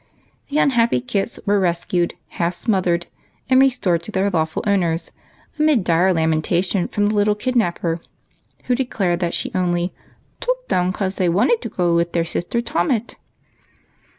The unhappy kits were rescued, half smothered, and restored to their lawful owners, amid dire lamentation from the little kidnapper, who de 164 EIGHT COUSINS. clared that she only " tooked um 'cause they 'd want to go wid their sister Tomit."